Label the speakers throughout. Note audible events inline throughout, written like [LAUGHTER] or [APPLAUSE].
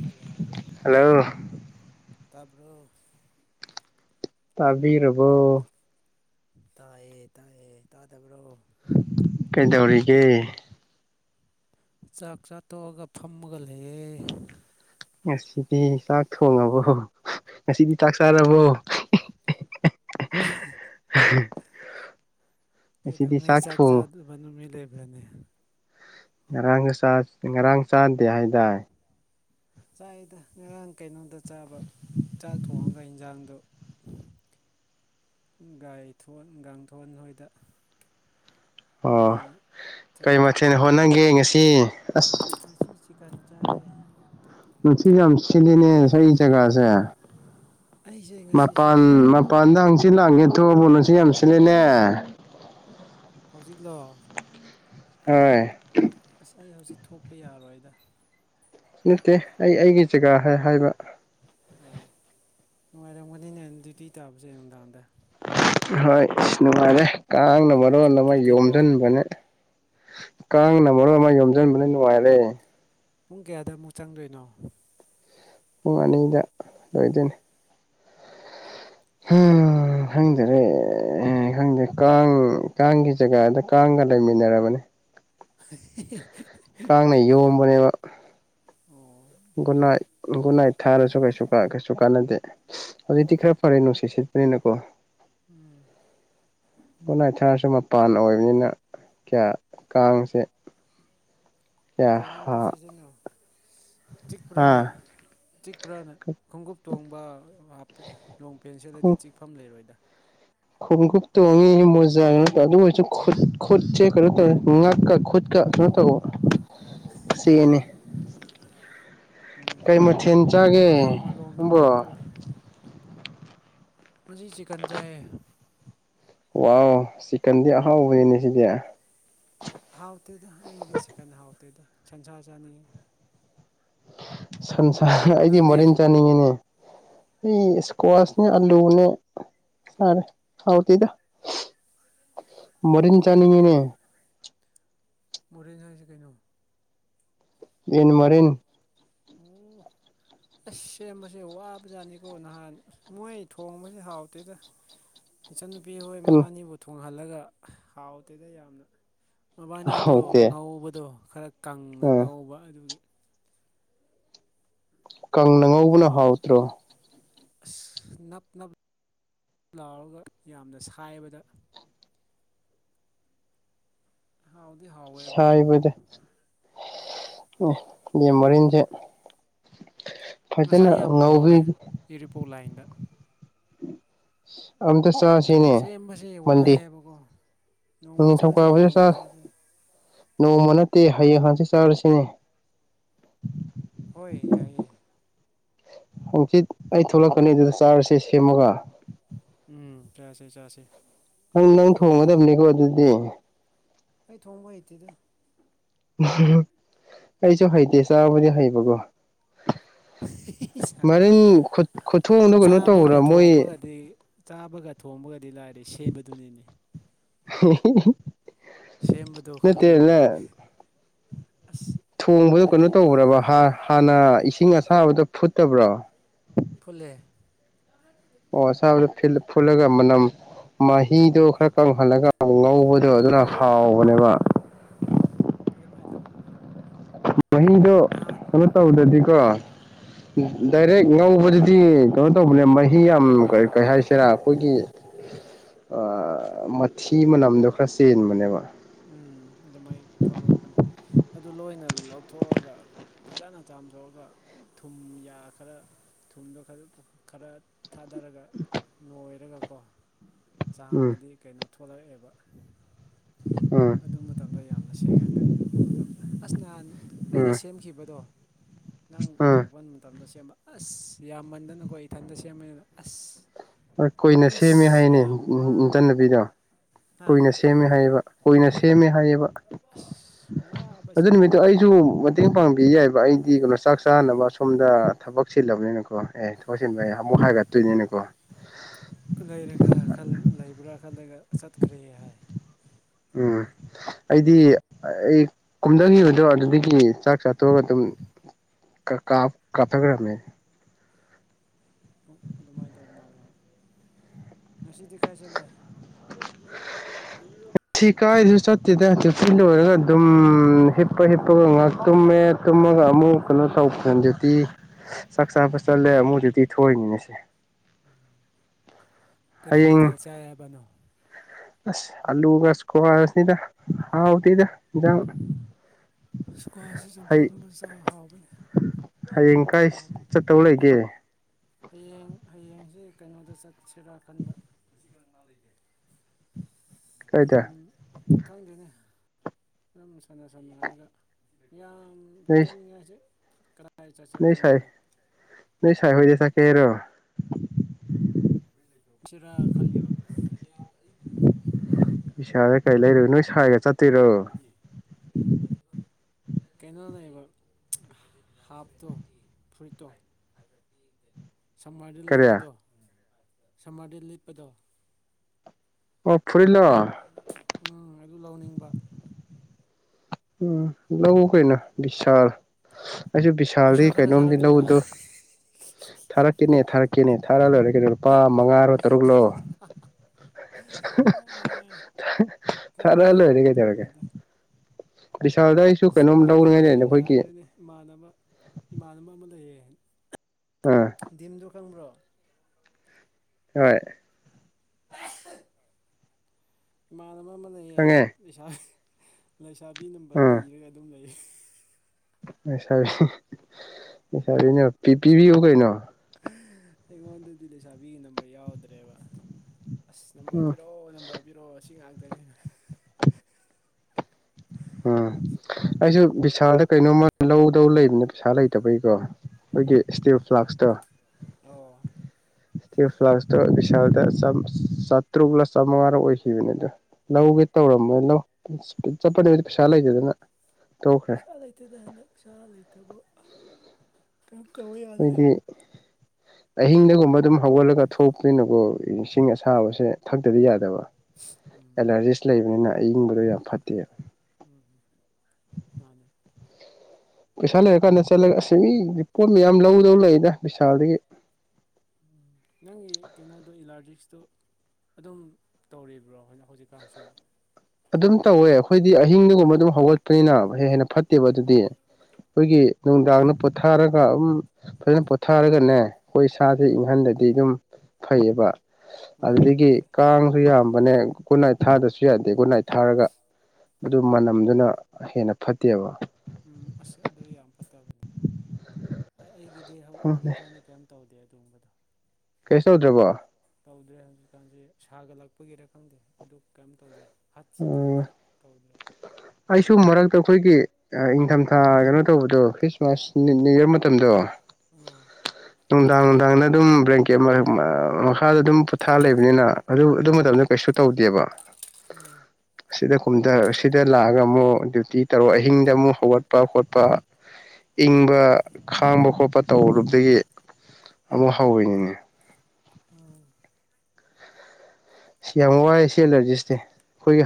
Speaker 1: ꯍꯖꯥꯎ
Speaker 2: hello
Speaker 1: ꯇꯥꯄ
Speaker 2: ꯇꯥꯕꯤꯔꯔꯕꯣ
Speaker 1: ꯇꯥꯏꯌꯦ ꯇꯥꯏꯌꯦ ꯇꯥꯗꯕ꯭ꯔꯣ
Speaker 2: ꯀꯩ ꯇꯧꯔꯤꯒꯦ
Speaker 1: ꯆꯥꯛ ꯆꯥꯊꯣꯛꯑꯒ ꯐꯝꯃꯒ ꯂꯩꯑꯦ
Speaker 2: ꯉꯁꯤꯗꯤ ꯆꯥꯛ ꯊꯣꯡꯉꯕꯣ ꯉꯁꯤꯗꯤ ꯆꯥꯛ ꯆꯥꯔꯕꯣ [UNINTELLIGIBLE] ꯉꯁꯤꯗꯤ
Speaker 1: ꯀꯩꯗꯧꯉꯩ ꯆꯥꯛ
Speaker 2: ꯊꯣꯡ
Speaker 1: ꯆꯥꯗꯕ ꯅꯨꯃꯤ ꯂꯩꯕ꯭ꯔꯅꯤ
Speaker 2: ꯉꯔꯥꯡꯒ ꯉꯔꯥꯡ ꯆꯥꯗꯦ ꯍꯥꯏꯗꯥꯏ
Speaker 1: ꯆꯥꯛꯗ ꯉꯔꯥꯡ ꯀꯩꯅꯣꯗ ꯆꯥꯕ ꯆꯥꯛ ꯊꯣꯡꯉꯒ ꯏꯟꯖꯥꯡꯗꯨ ꯒꯥꯏ ꯊꯣꯟꯒꯥꯡ ꯊꯣꯟ ꯅꯣꯏꯗ ꯃꯣꯏ ꯆꯥꯛ
Speaker 2: ꯀꯔꯤ
Speaker 1: ꯆꯤꯀꯟ
Speaker 2: ꯃꯊꯦꯜꯅ ꯍꯣꯠꯅꯒꯦ ꯉꯁꯤ ꯑꯁ
Speaker 1: ꯉꯁꯤ ꯆꯤꯀꯟ ꯆꯥꯏꯌꯦ
Speaker 2: ꯁꯤ ꯌꯥꯝꯝꯁꯤꯂꯤꯅꯦ ꯁ ꯑꯩ ꯖꯒꯥꯥꯁꯦ
Speaker 1: ꯑꯩꯁꯦ ꯉꯁꯤꯁꯦ
Speaker 2: ꯃꯄꯥꯟ
Speaker 1: ꯐꯣꯟ ꯑꯅꯧ
Speaker 2: ꯃꯄꯥꯟꯗ ꯍꯪꯆꯤ ꯂꯥꯡꯒꯦ ꯊꯣꯛꯑꯕꯅꯁꯨ ꯌꯥꯝ ꯁꯤꯂꯦꯅꯦ ꯑꯥꯔ
Speaker 1: ꯍꯧꯖꯤꯛꯂ
Speaker 2: ꯑ
Speaker 1: ꯍꯧꯖꯤꯛ ꯊꯣꯛꯄ ꯌꯥꯔꯣꯏꯗ
Speaker 2: ꯅꯠꯇꯦ ꯑꯩ ꯑꯩꯒꯤ ꯖꯒꯥ ꯍꯥꯏ ꯍꯥꯏꯕ
Speaker 1: ꯑꯣ ꯅꯨꯡꯉꯥꯏꯔꯝꯒꯅꯤ ꯅ ꯗ꯭ꯌꯨꯇꯤ ꯇꯥꯕꯁꯦ ꯅꯨꯡꯗꯥꯡꯗ
Speaker 2: ꯍꯣꯏ ꯅꯨꯡꯉꯥꯏꯔꯦ ꯀꯥꯡꯅ
Speaker 1: ꯅꯣꯡ
Speaker 2: ꯃꯔꯣ ꯑꯃ
Speaker 1: ꯆꯨꯗ꯭ꯔꯗꯤꯀꯣ
Speaker 2: ꯌꯣꯝꯁꯤꯟꯕꯅꯦ ꯀꯥꯡꯅ ꯃꯔꯨꯞ ꯑꯃ ꯌꯣꯝꯁꯤꯟꯕꯅ ꯅꯨꯡꯉꯥꯏꯔꯦ
Speaker 1: ꯄꯨꯡ ꯀꯌꯥꯗ ꯑꯃꯨꯛ ꯆꯪꯗꯣꯏꯅꯣ
Speaker 2: ꯄꯨꯡ ꯑꯅꯤꯗ ꯂꯣꯏꯗꯣꯏꯅꯤ ꯎꯝ ꯍꯪꯗꯦꯔꯦ ꯑꯦ ꯈꯪꯗꯦ ꯀꯥꯡ ꯀꯥꯡꯒꯤ ꯖꯒꯥꯗ ꯀꯥꯡꯒ ꯂꯩꯃꯤꯟꯅꯔꯕꯅꯦ
Speaker 1: [UNINTELLIGIBLE]
Speaker 2: ꯀꯥꯡꯅ ꯌꯣꯝꯕꯅꯦꯕ
Speaker 1: ꯑꯣ
Speaker 2: ꯒꯨꯅꯥꯢꯠ ꯒꯨꯅꯥꯏꯠ ꯊꯥꯔꯁꯨ ꯀꯩꯁꯨ ꯀ ꯀꯩꯁꯨ ꯀꯥꯟꯅꯗꯦ ꯍꯧꯖꯤꯛꯇꯤ ꯈꯔ ꯐꯔꯦ ꯅꯨꯡꯁꯤꯠꯁꯤ ꯄꯅꯀꯣ
Speaker 1: ꯎꯝ
Speaker 2: ꯒꯨꯅꯥꯢꯠ ꯊꯥꯔꯁꯨ ꯃꯄꯥꯟ ꯑꯣꯏꯕꯅꯤꯅ ꯀꯌꯥ ꯀꯥꯡꯁꯦ ꯀꯌꯥ
Speaker 1: ꯀꯩꯅꯣꯗꯣ ꯁꯤꯖꯟꯅꯧ ꯆꯤꯛꯄ꯭ꯔꯅꯦ ꯄ꯭ꯔꯅ ꯈꯣꯡꯒꯨꯞ ꯇꯣꯡꯕ ꯍꯥꯄꯦ ꯂꯣꯡꯄꯦꯟ ꯁꯦꯠꯂꯗꯤ ꯆꯤꯛꯐꯝ ꯂꯩꯔꯣꯏꯗ
Speaker 2: ꯈꯣꯡꯒꯨꯞ ꯇꯣꯡꯉꯦ ꯃꯣꯖꯥ ꯉꯛꯇ ꯑꯗꯨ ꯑꯣꯏꯔꯁꯨ ꯈꯨꯠ ꯈꯨꯠꯁꯦ ꯀꯩꯅꯣ ꯇꯧꯋꯦ ꯉꯛꯀ ꯈꯨꯠꯀ ꯇ ꯉꯛ ꯇꯧꯋꯣ ꯆꯦꯅꯦ
Speaker 1: ꯎꯝ
Speaker 2: ꯀꯩ ꯃꯊꯦꯟ ꯆꯥꯒꯦ
Speaker 1: ꯍꯤꯗꯥꯛ ꯃꯣꯂꯣꯝꯗꯣ
Speaker 2: ꯅꯪꯕꯣ
Speaker 1: ꯇꯩꯌꯣ ꯉꯖꯤ ꯆꯤꯛꯀꯟ ꯆꯥꯏꯌꯦ
Speaker 2: ꯋꯥꯎ ꯆꯤꯛꯀꯟꯗꯤ ꯑꯍꯥꯎꯕꯅꯤꯅꯦ ꯁꯤꯗꯤ
Speaker 1: ꯍꯥꯎꯇꯦꯗ ꯑꯩꯒꯤꯗꯤ ꯆꯤꯛꯀꯟ ꯍꯥꯎꯇꯦꯗ ꯁꯟꯁꯥ ꯆꯥꯅꯤꯡꯉꯦ
Speaker 2: ꯁꯟꯁꯥ ꯅ ꯑꯩꯗꯤ
Speaker 1: ꯅꯪꯗꯤ
Speaker 2: ꯃꯔꯤꯟ ꯆꯥꯅꯤꯡꯉꯤꯅꯦ ꯑꯩ ꯏꯁꯀ꯭ꯋꯥꯁꯅꯦ ꯑꯥꯂꯨꯅꯦ ꯆꯥꯔꯦ ꯍꯥꯎꯇꯦꯗ ꯃꯔꯤꯟ ꯆꯥꯅꯤꯡꯉꯤꯅꯦ
Speaker 1: ꯃꯣꯔꯦꯟ ꯍꯥꯏꯖꯦ ꯀꯩꯅꯣ
Speaker 2: ꯌꯦꯟ ꯃꯔꯤꯟ
Speaker 1: ꯑꯣ ꯑꯁ ꯁꯦꯝꯕꯁꯦ ꯋꯥꯕꯖꯥꯠꯅꯤꯀꯣ ꯅꯍꯥꯟ ꯃꯣꯏ ꯊꯣꯡꯕꯁꯦ ꯍꯥꯎꯇꯦꯗ ꯏꯆꯟꯅꯨꯄꯤ ꯍꯣꯏ
Speaker 2: ꯀꯩꯅꯣ
Speaker 1: ꯃꯕꯥꯅꯤꯕꯨ ꯊꯣꯡꯍꯜꯂꯒ ꯍꯥꯎꯇꯦꯗ ꯌꯥꯝꯅ ꯃꯕꯥꯅꯤꯗꯣ
Speaker 2: ꯍꯥꯎꯇꯦ
Speaker 1: ꯉꯧꯕꯗꯣ ꯈꯔ ꯀꯪꯅ
Speaker 2: ꯎꯝ
Speaker 1: ꯉꯧꯕ ꯑꯗꯨꯒꯤ
Speaker 2: ꯀꯪꯅ ꯉꯧꯕꯅ ꯍꯥꯎꯇ꯭ꯔꯣ
Speaker 1: ꯑꯁ ꯅꯞ ꯅꯞ ꯂꯥꯎꯔꯒ ꯌꯥꯝꯅ ꯁꯥꯏꯕꯗ ꯍꯥꯎꯗꯤ ꯍꯥꯎꯋꯦꯕꯨ
Speaker 2: ꯁꯥꯏꯕꯗꯤ ꯑꯦꯍ ꯌꯦꯟ ꯃꯔꯤꯟꯖꯦ
Speaker 1: ꯉꯁꯥꯏ ꯌꯥꯝ ꯎꯍꯧꯋꯦ ꯏꯔꯤꯄꯣꯛ ꯂꯥꯏꯟꯗ
Speaker 2: ꯑꯝꯇ ꯆꯥꯁꯤꯅꯦ
Speaker 1: ꯁꯦꯝꯕꯁꯦ
Speaker 2: ꯃꯟꯗꯦ
Speaker 1: ꯋꯥꯏꯑꯦꯕꯀꯣ ꯅꯣꯡꯃ ꯆꯥꯁꯦ
Speaker 2: ꯅꯤꯡꯊꯧꯀꯥꯕꯗ ꯆꯥ
Speaker 1: ꯅꯣꯡꯃ ꯆꯥꯁꯦ
Speaker 2: ꯅꯣꯡꯃ ꯅꯠꯇꯦ ꯍꯌꯦꯡ ꯍꯡꯆꯤꯠ ꯆꯥꯔꯁꯦ
Speaker 1: ꯍꯣꯏ ꯌꯥꯏꯌꯦ
Speaker 2: ꯍꯪꯆꯤꯠ ꯑꯩ ꯊꯣꯛꯂꯛꯀꯅꯤ ꯗꯨꯗ ꯆꯥꯔꯁꯦ ꯁꯦꯝꯃꯒ
Speaker 1: ꯎꯝ ꯆꯥꯁꯦ ꯆꯥꯁꯦ
Speaker 2: ꯑꯧ ꯅꯪ ꯊꯣꯡꯒꯗꯕꯅꯤꯀꯣ ꯑꯗꯨꯗꯤ
Speaker 1: ꯑꯩ ꯊꯣꯡꯕ ꯍꯩꯇꯦꯗ
Speaker 2: ꯑꯩꯁꯨ ꯍꯩꯇꯦ ꯆꯥꯕꯗꯤ ꯍꯩꯕꯀꯣ ꯃꯔꯤꯟ ꯈꯨꯠ ꯈꯨꯊꯣꯡꯗꯣ ꯀꯩꯅꯣ ꯇꯧꯕ꯭ꯔ
Speaker 1: ꯆꯥꯕꯒ
Speaker 2: ꯃꯣꯏ
Speaker 1: ꯊꯣꯡꯕꯒꯗꯤ ꯆꯥꯕꯒ ꯊꯣꯡꯕꯒꯗꯤ ꯂꯥꯏꯔꯤ ꯁꯦꯝꯕꯗꯨꯅꯤꯅꯦ
Speaker 2: [UNINTELLIGIBLE]
Speaker 1: ꯁꯦꯝꯕꯗꯣ ꯈꯔ ꯂꯨꯏ
Speaker 2: ꯅꯠꯇꯦꯅ
Speaker 1: ꯑꯁ
Speaker 2: ꯊꯣꯡꯕꯗꯣ ꯀꯩꯅꯣ
Speaker 1: ꯑꯩ
Speaker 2: ꯇꯧꯕ꯭ꯔꯕ ꯍꯥ ꯍꯥꯟ ꯅ ꯏꯁꯤꯡ ꯑꯁꯥꯕꯗ ꯐꯨꯠꯇꯕ꯭ꯔꯣ
Speaker 1: ꯐꯨꯠꯂꯦ
Speaker 2: ꯑꯣ ꯑꯁꯥꯕꯗ ꯐꯤꯜ ꯐꯨꯠꯂꯒ ꯃꯅꯝ ꯃꯍꯤꯗꯣ ꯈꯔ ꯀꯪꯍꯜꯂꯒ ꯃꯨꯛ ꯉꯧꯕꯗꯣ ꯑꯗꯨꯅ ꯍꯥꯎꯕꯅꯦꯕ
Speaker 1: ꯎꯝ ꯑꯗꯨꯃꯥꯏꯅ ꯇꯧꯕꯅꯦ
Speaker 2: ꯃꯍꯤꯗꯣ
Speaker 1: ꯅꯍꯥꯟ
Speaker 2: ꯀꯩꯅꯣ ꯇꯧꯗ꯭ꯔꯗꯤꯀꯣ ꯗꯥꯏꯔꯦꯛ ꯉꯧꯕꯗꯨꯗꯤ ꯀꯩꯅꯣ ꯇꯧꯕꯅꯦ ꯃꯍꯤ ꯌꯥꯝ ꯀꯩ ꯀꯩ ꯍꯥꯏꯁꯤꯔꯥ ꯑꯩꯈꯣꯏꯒꯤ ꯃꯊꯤ ꯃꯅꯝꯗꯣ ꯈꯔ ꯆꯦꯟꯕꯅꯦꯕ
Speaker 1: ꯎꯝ ꯑꯗꯨꯃꯥꯏꯅ ꯊꯣꯛꯂꯛꯄꯅꯦ ꯑꯗꯨ ꯂꯣꯏꯅ ꯂꯧꯊꯣꯛꯑꯒ ꯐꯖꯅ ꯆꯥ ꯄꯥꯝꯊꯣꯛꯑꯒ ꯊꯨꯝ ꯈꯔ ꯊꯨꯝꯗꯣ ꯈꯔ ꯈꯔ ꯊꯥꯗꯔꯒ ꯅꯣꯏꯔꯒꯀꯣ
Speaker 2: ꯎꯝ
Speaker 1: ꯆꯥꯝꯃꯗꯤ ꯀꯩꯅꯣ ꯊꯣꯛꯂꯛꯑꯕ
Speaker 2: ꯎꯝ
Speaker 1: ꯑꯗꯨ ꯃꯇꯝꯗ ꯌꯥꯝꯅ ꯁꯦꯡꯉꯛꯀꯅꯤ ꯑꯗꯨ ꯃꯇꯝꯗ ꯑꯁ ꯅꯍꯥꯟ ꯑꯩꯅ
Speaker 2: ꯎꯝ
Speaker 1: ꯁꯦꯝꯈꯤꯕꯗꯣ ꯅꯪ
Speaker 2: ꯎꯝ
Speaker 1: ꯂꯥꯛꯄ ꯃꯇꯝꯗ ꯁꯦꯝꯕ ꯑꯁ ꯌꯥꯝꯃꯟꯗꯅꯀꯣ ꯏꯊꯟꯇ ꯁꯦꯝꯕꯅꯤꯅ ꯑꯁ
Speaker 2: ꯍꯣꯏ ꯀꯨꯏꯅ ꯁꯦꯝꯃꯦ
Speaker 1: ꯑꯁ
Speaker 2: ꯍꯥꯏꯅꯦ
Speaker 1: ꯌꯥꯝ
Speaker 2: ꯏ
Speaker 1: ꯋꯥꯕꯅꯦ
Speaker 2: ꯆꯠꯅꯕꯤꯗꯣ
Speaker 1: ꯑꯗꯨꯅ ꯍꯥ
Speaker 2: ꯀꯨꯏꯅ ꯁꯦꯝꯃꯦ ꯍꯥꯏꯌꯦꯕ ꯀꯨꯏꯅ ꯁꯦꯝꯃꯦ
Speaker 1: ꯎꯝ
Speaker 2: ꯍꯥꯏꯌꯦꯕ
Speaker 1: ꯑꯁ
Speaker 2: ꯑꯗꯨ ꯅꯨꯃꯤꯠꯇꯣ
Speaker 1: ꯋꯥꯕꯁꯤꯗꯤꯕꯀꯣ
Speaker 2: ꯑꯩꯁꯨ ꯃꯇꯦꯡ ꯄꯥꯡꯕꯤ ꯌꯥꯏꯕ ꯑꯗꯣ ꯑꯩꯗꯤ ꯀꯩꯅꯣ ꯆꯥꯛ ꯆꯥꯅꯕ ꯁꯣꯝꯗ ꯊꯕꯛ ꯁꯤꯜꯂꯕꯅꯤꯅꯀꯣ ꯑꯦ ꯊꯕꯛ ꯁꯤꯟꯕ ꯑꯩ ꯑꯃꯨꯛ ꯍꯥꯏꯒꯠꯇꯣꯏꯅꯤꯅꯀꯣ
Speaker 1: ꯂꯩꯔꯒ ꯂꯩꯕ꯭ꯔꯥ ꯈꯜꯂꯒ ꯆꯠꯈ꯭ꯔꯦ ꯍꯥꯏ
Speaker 2: ꯎꯝ ꯑꯩꯗꯤ ꯑꯩ ꯀꯨꯝꯊꯈꯤꯕꯗꯣ ꯑꯗꯨꯗꯒꯤ ꯆꯥꯛ ꯆꯥꯊꯣꯛꯒ ꯑꯗꯨꯝ
Speaker 1: [UNINTELLIGIBLE]
Speaker 2: ꯀ ꯀꯐꯒ꯭ꯔꯝꯃꯦ
Speaker 1: ꯑꯗꯨꯃꯥꯏꯅ ꯇꯧꯕ ꯃꯥꯜꯂꯦ ꯍꯣꯏ ꯉꯁꯤꯗꯤ ꯀꯥꯏ ꯆꯠꯂꯦ [UNINTELLIGIBLE]
Speaker 2: ꯁꯤ ꯀꯥꯏꯗꯨꯁꯨ ꯆꯠꯇꯦꯗꯅ ꯆꯄꯤꯤ ꯂꯣꯏꯔꯒ ꯑꯗꯨꯝ ꯍꯤꯞꯄ ꯍꯤꯞꯄꯒ ꯉꯥꯏꯍꯥꯛ ꯇꯨꯝꯃꯦ ꯑꯃꯨꯛ ꯀꯩꯅꯣ ꯇꯧꯕ ꯗꯌꯨꯇꯤ ꯆꯥꯛ ꯆꯥꯕ ꯆꯠꯂꯦ ꯑꯃꯨꯛ ꯗꯗꯨꯌꯨꯇꯤ ꯊꯣꯛꯏꯅꯤꯅꯦꯁꯦ ꯍꯌꯦꯡ
Speaker 1: ꯔꯤꯃꯊ ꯆꯥ ꯅꯥꯣ
Speaker 2: ꯑꯁ ꯑꯂꯨꯒꯁ ꯀꯋꯥꯅꯤꯗ ꯍꯥꯎꯗ ꯌꯥ
Speaker 1: ꯁꯨꯀ꯭ꯋꯥꯁꯤ ꯆꯝꯐꯨꯣꯏꯒꯨꯝꯕ ꯆ ꯍꯥꯎꯕꯅꯤ
Speaker 2: ꯍꯌꯦꯡ
Speaker 1: ꯑꯗꯨꯝ
Speaker 2: ꯀꯥꯏ
Speaker 1: ꯍꯥꯎꯕꯅꯤ
Speaker 2: ꯆꯠꯇꯧ ꯂꯩꯒꯦ
Speaker 1: ꯍꯌꯦꯡ ꯍꯌꯦꯡꯁꯤ ꯀꯩꯅꯣꯗ ꯆꯠꯁꯤꯔꯥ ꯈꯟꯕ
Speaker 2: ꯀꯥꯏꯗ
Speaker 1: ꯌꯨꯝ ꯊꯪꯗꯦꯅꯦ ꯑꯗꯨꯝ ꯁꯥꯟꯅ ꯁꯝꯅꯔꯒ ꯌꯥꯝ ꯆꯠꯅꯤꯡꯉꯥꯏꯁꯦ ꯀꯗꯥꯏ ꯆꯠꯁꯤꯔꯥ
Speaker 2: ꯅ ꯁꯥꯏ
Speaker 1: ꯈꯪꯗꯦꯅꯦ
Speaker 2: ꯅ ꯁꯥꯏ ꯍꯗꯦ ꯊꯀꯦꯔꯣ
Speaker 1: ꯁꯤꯔ ꯀꯜꯂꯤꯕ
Speaker 2: ꯏꯁꯥꯗ ꯀꯔꯤ ꯂꯩꯔꯨ ꯅꯣꯏ ꯁꯥꯏꯒ ꯆꯠꯇꯣꯏꯔꯣ
Speaker 1: ꯀꯩꯅꯣ ꯂꯩꯕ ꯍꯥꯞꯇꯣ ꯐꯨꯔꯤꯠꯇꯣ ꯁꯪꯃꯥꯔꯗ
Speaker 2: ꯀꯔꯤ
Speaker 1: ꯂꯤꯞꯄꯗꯣ ꯁꯝꯃꯥꯔꯗ ꯂꯤꯞꯄꯗꯣ
Speaker 2: ꯑꯣ ꯐꯨꯔꯂꯣ
Speaker 1: ꯎꯝ ꯑꯗꯨ ꯂꯧꯅꯤꯡꯕ
Speaker 2: ꯎꯝ ꯂꯧꯧꯕ ꯀꯩꯅ ꯕꯤꯁꯥꯜ ꯑꯩꯁꯨ ꯕꯤꯚꯤꯁꯥꯜꯗꯤ
Speaker 1: ꯄꯩꯁꯥ ꯈꯔ
Speaker 2: ꯀꯩꯅꯣꯝꯗꯤ
Speaker 1: ꯊꯥꯔꯛꯀꯦꯔꯥ
Speaker 2: ꯂꯧꯗꯣ ꯊꯥꯔꯛꯀꯅꯦ ꯊꯥꯔꯛꯀꯅꯤ ꯊꯥꯔꯛ ꯂꯣꯏꯔꯀꯅꯦ ꯂꯨꯄꯥ ꯃꯉꯥꯔꯣ ꯇꯔꯨꯛꯂꯣ ꯊꯗ
Speaker 1: ꯈꯪꯗꯦꯗ
Speaker 2: ꯂ ꯍꯅꯦ
Speaker 1: ꯐꯥꯒꯤ
Speaker 2: ꯀꯦꯇꯒꯦ
Speaker 1: ꯇꯧꯕꯅꯤꯗ ꯏꯃꯥꯟꯅꯕꯁꯦ
Speaker 2: ꯂꯩꯅꯦ ꯑꯩꯈꯣꯏꯒꯤ
Speaker 1: ꯌꯥꯗꯣꯏꯅꯦ ꯏꯃꯥꯟꯅꯕ ꯏꯃꯥꯟꯅꯕ ꯑꯃ ꯂꯩꯌꯦ
Speaker 2: ꯑꯥ
Speaker 1: ꯗꯤꯝꯗꯨ ꯈꯪꯕ꯭ꯔꯣ
Speaker 2: ꯍꯣꯏ
Speaker 1: ꯀꯥꯟꯅꯕ ꯑꯃ ꯂꯩꯌꯦ
Speaker 2: ꯈꯪꯉꯦ
Speaker 1: ꯏꯁꯩꯁꯥ ꯂꯩꯁꯥꯕꯤ ꯅꯝꯕꯔ ꯅꯤꯔꯒ ꯑꯗꯨꯝ ꯂꯩ
Speaker 2: ꯥꯕꯤꯥꯕꯤꯅꯦ ꯄ ꯄꯤꯕꯤꯌꯨ ꯀꯩꯅꯣ
Speaker 1: ꯑꯩꯉꯣꯟꯗꯗꯤ ꯂꯩꯁꯥꯕꯤꯅꯕ ꯌꯥꯎꯗ꯭ꯔꯦꯕ ꯑꯁ ꯅꯝꯕꯔ
Speaker 2: ꯎꯝ
Speaker 1: ꯄꯤꯔꯛꯑꯣ ꯅꯝꯕꯔ ꯄꯤꯔꯛꯑꯣ ꯑꯁꯤ ꯉꯥꯛꯇꯅꯦ
Speaker 2: ꯎꯝ ꯑꯩꯁꯨ ꯕꯤꯁꯥꯜꯗ ꯀꯩꯅꯣꯝꯃ ꯂꯧ ꯂꯧ ꯂꯩꯗꯅ ꯄꯩꯁꯥ ꯂꯩꯇꯕꯒꯤꯀꯣ ꯑꯩꯈꯣꯏꯒꯤ ꯏꯁꯇꯤꯜ ꯐ꯭ꯂꯥꯛꯁꯇ
Speaker 1: ꯑꯧ
Speaker 2: ꯐ꯭ꯂꯥꯛꯁꯇꯣ ꯁꯥꯜꯗ ꯆꯥꯇ꯭ꯔꯨꯛꯂ ꯆꯥꯝꯃꯉꯥꯔ ꯑꯣꯏꯈꯤꯕꯅꯦ ꯑꯣ ꯂꯧꯒꯦ ꯇꯧꯔ ꯩꯅꯣ ꯄꯤꯖꯥ ꯄꯅꯤ ꯁꯥ ꯍꯥꯏꯗꯅ
Speaker 1: ꯏꯁꯥ ꯂꯩꯇꯗ ꯍꯟꯗꯛ ꯏꯁꯥ ꯂꯩꯇꯕ ꯀꯩꯅꯣ ꯇꯧꯕ ꯌꯥꯗ꯭ꯔꯦ
Speaker 2: ꯑꯩꯗꯤ ꯑꯍꯤꯡꯗꯒꯨꯝꯕ ꯑꯗꯨꯝ ꯍꯧꯒꯠꯂꯒ ꯊꯣꯛꯇꯣꯏꯅꯣꯀꯣ ꯏꯁꯤꯡ ꯑꯁꯥꯕꯁꯦ ꯊꯛꯇꯗꯤ ꯌꯥꯗꯕ
Speaker 1: ꯎꯝ
Speaker 2: ꯑꯦꯂꯔꯖꯤꯁ ꯂꯩꯕꯅꯤꯅ ꯑꯏꯪꯕꯗꯣ ꯌꯥꯝ ꯐꯠꯇꯦꯕ
Speaker 1: ꯎꯝ ꯃꯥꯅꯦ
Speaker 2: ꯄꯩꯁꯥ ꯂꯩꯔꯀꯥꯟꯗ ꯆꯠꯂꯒ ꯑꯁꯤꯁ ꯃꯤ ꯄꯣꯠ ꯃꯌꯥꯝ ꯂꯧꯗꯧ ꯂꯩꯏꯗ ꯕꯤꯁꯥꯜꯗꯒꯤ
Speaker 1: ꯅꯪꯒꯤ ꯀꯩꯅꯣꯗꯣ ꯑꯦꯂꯥꯔꯖꯤꯛꯁꯇꯣ ꯑꯗꯨꯝ ꯇꯧꯔꯤꯕ꯭ꯔꯣ ꯍꯧ ꯍꯧꯖꯤꯛꯀꯥꯟꯁꯨ
Speaker 2: ꯑꯗꯨꯝ ꯇꯧꯋꯦ ꯑꯩꯈꯣꯏꯗꯤ ꯑꯍꯤꯡꯗꯒꯨꯝꯕ ꯑꯗꯨꯝ ꯍꯧꯒꯠꯄꯅꯤꯅ ꯍ ꯍꯦꯟꯅ ꯐꯠꯇꯦꯕ ꯑꯗꯨꯗꯤ ꯑꯩꯈꯣꯏꯒꯤ ꯅꯨꯡꯗꯥꯡꯗ ꯄꯣꯊꯥꯔꯒ ꯑꯗꯨꯝ ꯐꯖꯅ ꯄꯣꯊꯥꯔꯒꯅꯦ ꯑꯩꯈꯣꯏ ꯁꯥꯁꯦ
Speaker 1: ꯎꯝ
Speaker 2: ꯏꯪꯍꯟꯗꯗꯤ ꯑꯗꯨꯝ ꯐꯩꯌꯦꯕ
Speaker 1: ꯎꯝ
Speaker 2: ꯑꯗꯨꯗꯒꯤ
Speaker 1: ꯑꯩ
Speaker 2: ꯀꯥꯡꯁꯨ ꯌꯥꯝ ꯃꯅꯦ ꯒꯨꯠꯅꯥꯏꯠ ꯊꯥꯗꯁꯨ ꯌꯥꯗꯦ ꯒꯨꯠꯅꯥꯏꯠ ꯊꯥꯔꯒ ꯑꯗꯨ ꯃꯅꯝꯗꯨꯅ ꯍꯦꯟꯅ ꯐꯠꯇꯦꯕ
Speaker 1: ꯎꯝ ꯑꯁ ꯑꯗꯨ ꯌꯥꯝ ꯐꯠꯇꯕꯅꯦ ꯑꯩꯒꯤ
Speaker 2: ꯈꯪꯗꯦ
Speaker 1: ꯍꯧꯖꯤꯛꯀꯥꯟꯗꯤ ꯀꯔꯤꯝ ꯇꯧꯗꯦ ꯑꯗꯨꯒꯨꯝꯕꯗꯣ
Speaker 2: ꯀꯩ ꯇꯧꯗ꯭ꯔꯕꯣ
Speaker 1: ꯇꯧꯗ꯭ꯔꯦ ꯍꯧꯖꯤꯛꯀꯥꯟꯁꯦ ꯁꯥꯒꯠꯂꯛꯄꯒꯤꯔ ꯈꯪꯗꯦ ꯑꯗꯨ ꯀꯔꯤꯝ ꯇꯧꯗ꯭ꯔꯦ ꯍꯥꯊꯤ ꯇꯧꯕꯁꯨ ꯇꯧꯗ꯭ꯔꯦ
Speaker 2: ꯑꯩꯁꯨ ꯃꯔꯛꯇ ꯑꯩꯈꯣꯏꯒꯤ ꯏꯟꯊꯝ ꯀꯩꯅꯣ ꯇꯧꯕꯗꯣ ꯈ꯭ꯔꯤꯁꯃꯥꯁ ꯅ꯭ꯌꯨ ꯌꯔ ꯃꯇꯝꯗꯣ
Speaker 1: ꯑꯥ
Speaker 2: ꯅꯨꯡꯗꯥꯡ ꯅꯨꯡꯗꯥꯡꯗ ꯑꯗꯨꯝ ꯕ꯭ꯂꯦꯡꯀꯦꯠ ꯃꯈꯥꯗ ꯑꯗꯨꯝ ꯄꯣꯊꯥ ꯂꯩꯕꯅꯤꯅ ꯑꯗꯨ ꯑꯗꯨ
Speaker 1: ꯎꯝ
Speaker 2: ꯃꯇꯝꯗ ꯀꯩꯁꯨ ꯇꯧꯗꯦꯕ
Speaker 1: ꯎꯝ
Speaker 2: ꯑꯁꯤꯗ ꯀꯨꯝꯊ ꯁꯤꯗ ꯂꯥꯛꯑꯒ ꯑꯃꯨꯛ ꯗ꯭ꯌꯨꯇꯤ ꯇꯔꯣ ꯑꯍꯤꯡꯗ ꯑꯃꯨꯛ ꯍꯧꯒꯠꯄ ꯈꯣꯠꯄ ꯏꯪꯕ ꯈꯥꯡꯕ ꯈꯣꯠꯄ ꯇꯧꯔꯨꯕꯗꯒꯤ ꯑꯃꯨꯛ ꯍꯧꯋꯤꯅꯤꯅꯦ
Speaker 1: ꯎꯝ
Speaker 2: ꯁꯤ ꯌꯥꯝ ꯋꯥꯏꯑꯦ ꯁꯤ ꯑꯦꯂꯔꯖꯤꯁꯦ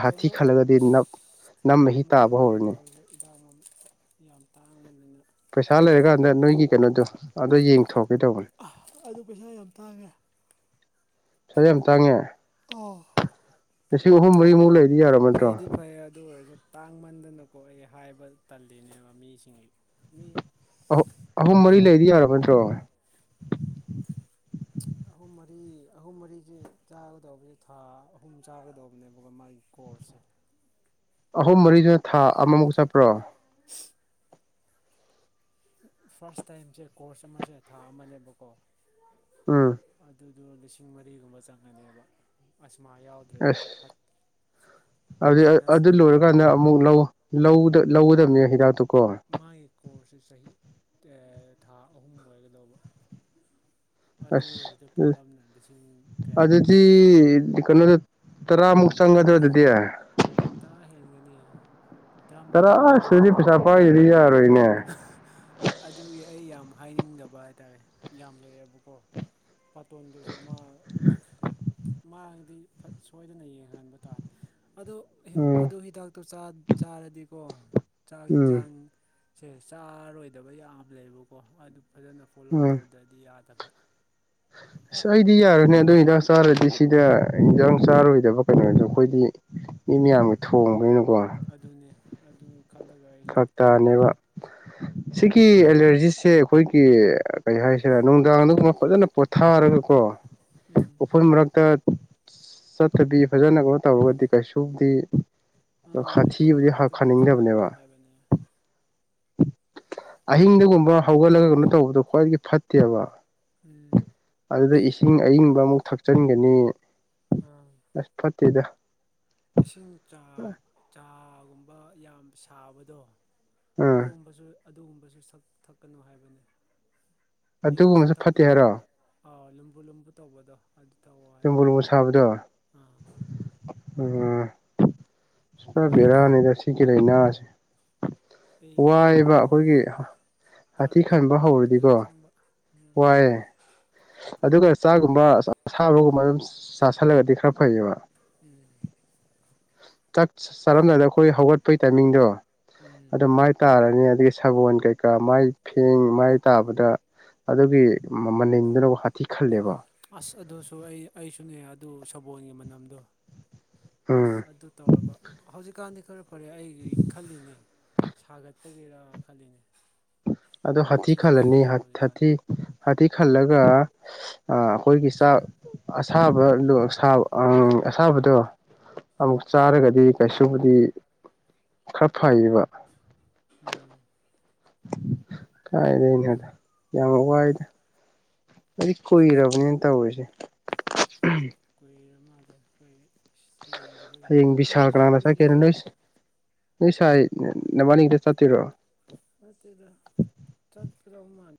Speaker 1: ꯀꯩꯅꯣ
Speaker 2: ꯅꯝ
Speaker 1: ꯁꯤꯗꯥꯛ
Speaker 2: ꯃꯍꯤ
Speaker 1: ꯑꯃ
Speaker 2: ꯇꯥꯕ
Speaker 1: ꯍꯥꯏꯕꯤꯒꯦ
Speaker 2: ꯍꯧꯔꯅꯤ
Speaker 1: ꯇꯧꯔꯤꯕ ꯍꯤꯗꯥꯥꯛ ꯑꯃ ꯌꯥꯝ ꯇꯥꯡꯕꯅꯤꯅ
Speaker 2: ꯄꯩꯁꯥ ꯂꯩꯔꯀꯥꯟꯗ ꯅꯣꯏꯒꯤ ꯀꯩꯅꯣꯗꯣ ꯑꯗꯨꯗꯣ ꯌꯦꯡꯊꯣꯛ
Speaker 1: ꯑꯗꯨ ꯄꯩꯁꯥ ꯌꯥꯝ ꯇꯥꯡꯉꯦ
Speaker 2: ꯄꯩꯁꯥ ꯌꯥꯝ ꯇꯥꯡꯉꯦ
Speaker 1: ꯑꯣ
Speaker 2: ꯂꯤꯁꯤꯡ ꯑꯍꯨꯝ
Speaker 1: ꯑꯩ
Speaker 2: ꯃꯔꯤꯃꯨꯛ ꯂꯩꯔꯗꯤ ꯌꯥꯔꯕ ꯅꯠꯇ꯭ꯔꯣ
Speaker 1: ꯐꯩꯗꯤ ꯐꯩ ꯑꯗꯨ ꯑꯣꯏꯔꯁꯨ ꯇꯥꯡꯃꯟꯗꯅꯀꯣ ꯑꯩ ꯍꯥꯏꯕ ꯇꯜꯂꯤꯅꯦꯕ ꯃꯤꯁꯤꯡꯒꯤ ꯃꯤ
Speaker 2: ꯑꯍꯨꯝ ꯃꯔꯤ
Speaker 1: ꯄꯩꯁꯥꯗꯨ
Speaker 2: ꯂꯩꯗꯤ ꯌꯥꯔꯕ ꯅꯠꯇ꯭ꯔꯣ
Speaker 1: ꯑꯍꯨꯝ ꯃꯔꯤ ꯑꯍꯨꯝ ꯃꯔꯤꯁꯦ ꯆꯥꯒꯗꯧꯕꯁꯦ ꯊꯥ ꯑꯍꯨꯝ ꯆꯥꯒꯗꯧꯕꯅꯦꯕꯀ ꯃꯥꯏ [INAUDIBLE]
Speaker 2: ꯑꯍꯨꯝ ꯃꯔꯤꯗꯨꯅ ꯊꯥ ꯑꯃꯃꯨꯛ ꯆꯠꯄ꯭ꯔꯣ
Speaker 1: ꯐꯁ ꯇꯥꯏꯝ ꯀꯣꯔꯁ ꯑꯃ ꯊꯥ ꯃꯅꯦꯕꯀꯣ
Speaker 2: ꯑꯥ
Speaker 1: ꯑꯗ ꯂꯤꯁꯤꯡ ꯃꯔꯤꯒꯨꯝꯕ ꯆꯪꯅꯦꯕ ꯑꯁ
Speaker 2: ꯑꯁ ꯑꯗꯨꯗꯤ
Speaker 1: ꯁꯥꯏꯅꯁꯀꯤ
Speaker 2: ꯑꯗꯨ
Speaker 1: ꯈꯛꯇ
Speaker 2: ꯂꯣꯏꯔꯀꯥꯟꯗ
Speaker 1: ꯑꯣꯏꯔꯗꯤ
Speaker 2: ꯑꯃꯨꯛ ꯂꯧ ꯂꯧꯗ ꯂꯧꯒꯗꯕꯅꯦ ꯍꯤꯗꯥꯛꯇꯨ
Speaker 1: ꯃꯥꯒꯤ ꯀꯣꯔꯁꯁꯦ ꯆꯍꯤ ꯊꯥ ꯑꯍꯨꯝ ꯑꯣꯏꯒꯗꯧꯕ ꯑꯗꯨ
Speaker 2: ꯑꯁ
Speaker 1: ꯑꯣꯏꯔꯗ ꯄꯣꯠꯂꯝꯅ ꯂꯤꯁꯤꯡ ꯀꯌꯥ
Speaker 2: ꯑꯗꯨꯗꯤ
Speaker 1: ꯇꯥꯔꯦ
Speaker 2: ꯀꯩꯅꯣꯗ ꯇꯔꯥꯃꯨꯛ ꯆꯪꯒꯗ ꯑꯣꯏꯗꯗꯤ
Speaker 1: ꯇꯔꯥ ꯍꯦꯟꯒꯅꯤ
Speaker 2: ꯇꯔꯥ
Speaker 1: ꯇꯔꯥꯃꯔꯤꯒꯨꯝꯕ
Speaker 2: ꯑꯁ ꯑꯗꯨꯗꯤ
Speaker 1: ꯆꯪꯒꯅꯤ
Speaker 2: ꯄꯩꯁꯥ ꯄꯥꯏꯗꯗꯤ ꯌꯥꯔꯣꯏꯅꯦ
Speaker 1: ꯑꯗꯨꯒꯤ ꯑꯩ ꯌꯥꯝ ꯍꯥꯏꯅꯤꯡꯗꯕ ꯍꯥꯏꯇꯥꯥꯔꯦ ꯌꯥꯝ ꯂꯩꯑꯦꯕꯀꯣ ꯥꯇꯣꯟꯗꯨꯁꯨ ꯃꯥ ꯃꯥꯗꯤ ꯁꯣꯏꯗꯅ ꯌꯦꯡꯍꯟꯕ ꯇꯥꯔꯦ ꯑꯗꯣ
Speaker 2: ꯎꯝ
Speaker 1: ꯑꯗꯨ ꯍꯤꯗꯥꯛꯇꯣ ꯆꯥꯔꯗꯤ ꯀꯣ ꯆꯥꯛ
Speaker 2: ꯎꯝ
Speaker 1: ꯌꯦꯟꯁꯥꯡꯁꯦ ꯆꯥꯔꯣꯏꯗꯕ ꯌꯥꯝ ꯂꯩꯕꯀꯣ ꯑꯗꯨ ꯐꯖꯅ ꯐꯣꯂꯣ
Speaker 2: ꯎꯝ
Speaker 1: ꯇꯧꯗꯗꯤ ꯌꯥꯗꯕ
Speaker 2: ꯑꯁ ꯑꯩꯗꯤ ꯌꯥꯔꯅꯦ ꯑꯗꯨꯗ ꯍꯤꯗꯥꯛ ꯆꯥꯔꯗꯤ ꯁꯤꯗ ꯍꯤꯟꯖꯥꯡ ꯆꯥꯔꯣꯏꯗꯕ ꯀꯩꯅꯣꯗꯣ ꯑꯩꯈꯣꯏꯗꯤ ꯃꯤ ꯃꯌꯥꯝꯒꯤ
Speaker 1: ꯎꯝ
Speaker 2: ꯊꯣꯡꯕꯅꯤꯅꯀꯣ
Speaker 1: ꯑꯗꯨꯅꯦ ꯑꯗꯨ ꯈꯜꯂꯒ ꯑꯩꯁꯨ
Speaker 2: ꯐꯛꯇꯅꯤꯕ
Speaker 1: ꯈꯜꯂꯤꯅꯦ
Speaker 2: ꯁꯤꯒꯤ ꯑꯦꯂꯔꯖꯤꯁꯦ ꯑꯩꯈꯣꯏꯒꯤ ꯀꯩ ꯍꯥꯏꯁꯤꯔꯥ ꯅꯨꯡꯗꯥꯡꯗꯨꯒꯨꯝꯕ ꯐꯖꯅ ꯄꯣꯊꯥꯔꯒꯀꯣ
Speaker 1: ꯎꯝ
Speaker 2: ꯎꯄꯣꯏ ꯃꯔꯛꯇ ꯆꯠꯊꯕꯤ ꯐꯖꯅ ꯀꯩꯅꯣ ꯇꯧꯔꯒꯗꯤ ꯀꯩꯁꯨꯗꯤ
Speaker 1: ꯑꯥ ꯏꯐꯨꯜ
Speaker 2: ꯈꯊꯤꯕꯨꯗꯤ ꯍꯥ
Speaker 1: ꯃꯔꯛꯇꯗꯤ ꯆꯠꯂꯅꯨ
Speaker 2: ꯈꯥꯅꯤꯡꯗꯕꯅꯦꯕ
Speaker 1: ꯍꯥꯏꯕꯅꯦ
Speaker 2: ꯑꯍꯤꯡꯗꯒꯨꯝꯕ ꯍꯧꯒꯠꯂꯒ ꯀꯩꯅꯣ ꯇꯧꯕꯗꯣ ꯈ꯭ꯋꯥꯏꯗꯒꯤ ꯐꯠꯇꯦꯕ
Speaker 1: ꯎꯝ
Speaker 2: ꯑꯗꯨꯗ ꯏꯁꯤꯡ ꯑꯏꯤꯡꯕ ꯑꯃꯨꯛ ꯊꯛꯆꯤꯟꯒꯅꯤ
Speaker 1: ꯎꯝ
Speaker 2: [UNINTELLIGIBLE]
Speaker 1: ꯏꯁꯤꯡ ꯆ ꯆꯥꯒꯨꯝꯕ ꯌꯥꯝ ꯁꯥꯕꯗꯣ
Speaker 2: ꯑꯥ
Speaker 1: ꯑꯗꯨꯒ ꯑꯗꯨꯒꯨꯝꯕꯁꯨꯛ ꯊꯛꯀꯅꯨ ꯍꯥꯏꯕꯅꯤ
Speaker 2: ꯑꯗꯨꯒꯨꯝꯕꯁꯨ ꯐꯠꯇꯦ ꯍꯥꯏꯔꯣ
Speaker 1: ꯑꯥꯎ ꯂꯨꯝꯕꯨ ꯂꯨꯝꯕꯨ ꯇꯧꯕꯗꯣ ꯑꯗꯨ ꯇꯧꯋꯣ
Speaker 2: ꯂꯣꯕꯨ
Speaker 1: ꯍꯥꯏꯕꯅꯤ
Speaker 2: ꯂꯣꯝꯕꯨ ꯁꯕꯗꯣ
Speaker 1: ꯑꯥ
Speaker 2: ꯎ ꯎ ꯄꯦꯔꯥꯅꯤꯗ ꯁꯤꯒ ꯂꯩꯅꯁꯦ ꯋꯥꯏꯕ ꯑꯩꯈꯣꯏꯒꯤ ꯍꯥꯊꯤ ꯈꯟꯕ
Speaker 1: ꯋꯥꯕꯅꯤꯅ
Speaker 2: ꯍꯧꯔꯗꯤꯀꯣ
Speaker 1: ꯑꯁꯦꯡꯕ ꯎꯝ
Speaker 2: ꯋꯥꯏꯌꯦ ꯑꯗꯨꯒ ꯆꯥꯒꯨꯝꯕꯁꯕꯒꯨꯝ ꯑꯗꯨꯝ ꯆꯁꯤꯜꯂꯒꯗꯤ ꯈꯔ ꯐꯩꯌꯦꯕ
Speaker 1: ꯎꯝ
Speaker 2: ꯆꯥꯛ ꯆꯥꯔꯝꯗꯥꯗ ꯑꯩꯈꯣꯏ ꯍꯧꯒꯠꯄꯒꯤ ꯇꯥꯏꯃꯤꯡꯗꯣ
Speaker 1: ꯎꯝ
Speaker 2: ꯑꯗꯨ ꯃꯥꯏ ꯇꯥꯔꯅꯤ ꯑꯗꯒꯤ ꯁꯥꯒꯣꯜ ꯀꯩꯀꯥ ꯃꯥꯏ ꯐꯦꯡ ꯃꯥꯏ ꯇꯥꯕꯗ ꯑꯗꯨꯒꯤ ꯃꯃꯅꯗꯨꯅꯕꯨ ꯍꯥꯊꯤ ꯈꯜꯂꯦꯕ
Speaker 1: ꯑꯁ ꯑꯗꯨꯁꯨ ꯑꯩ ꯑꯩꯁꯨꯅꯦ ꯑꯗꯨ ꯁꯕꯣꯜꯒꯤ ꯃꯅꯝꯗꯣ
Speaker 2: ꯎꯝ
Speaker 1: ꯑꯁ ꯑꯗꯨ ꯇꯧꯔꯕ ꯍꯧꯖꯤꯛꯀꯥꯟꯗꯤ ꯈꯔ ꯐꯔꯦ ꯑꯩ ꯈꯜꯂꯤꯅꯦ ꯁꯥꯒꯠꯇꯒꯤꯔꯥ ꯈꯜꯂꯤꯅꯦ
Speaker 2: ꯑꯗꯣ ꯍꯥꯊꯤ
Speaker 1: ꯍꯥꯊꯤꯁꯦ
Speaker 2: ꯈꯜꯂꯅꯤ
Speaker 1: ꯇꯧꯗ꯭ꯔꯦ ꯍꯧꯖꯤꯛꯀꯥꯟ
Speaker 2: ꯍꯥꯊꯤ ꯍꯥꯊꯤ ꯈꯜꯂꯒ ꯑꯩꯈꯣꯏꯒꯤ ꯆꯥꯛ ꯑꯁꯥꯕꯗꯣ ꯑꯁꯥꯕꯗꯣ ꯑꯃꯨꯛ ꯆꯥꯔꯒꯗꯤ
Speaker 1: ꯎꯝ
Speaker 2: ꯀꯩꯁꯨꯕꯨꯗꯤ ꯐꯩꯏꯕ
Speaker 1: ꯎꯝ
Speaker 2: ꯀꯥꯏ ꯂꯩꯅꯦꯗ ꯌꯥꯝ ꯋꯥꯏꯗ ꯑꯩꯗꯤ
Speaker 1: ꯁꯤꯁꯦ
Speaker 2: ꯀꯨꯏꯔꯕꯅꯦꯅ
Speaker 1: ꯀꯩꯅꯣ
Speaker 2: ꯇꯧꯔꯤꯁꯦ
Speaker 1: ꯀꯨꯏꯔ ꯃꯥꯜꯂꯦ ꯑꯩꯈꯣꯏ ꯌꯦꯡꯗꯕꯗꯤ
Speaker 2: ꯍꯌꯦꯡ ꯕꯤꯁꯥꯜ
Speaker 1: ꯃꯤꯗꯤꯌꯥ
Speaker 2: ꯅ ꯁꯥꯏ ꯅꯕꯥꯅꯤꯒꯤꯗ ꯆꯠꯇꯣꯏꯔꯣ
Speaker 1: ꯆꯗ ꯇꯠꯕꯤꯔꯥꯎ ꯃꯥꯅ